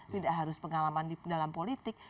tidak harus pengalaman di dalam politik